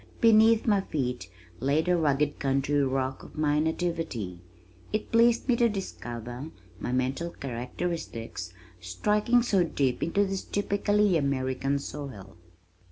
Beneath my feet lay the rugged country rock of my nativity. It pleased me to discover my mental characteristics striking so deep into this typically American soil.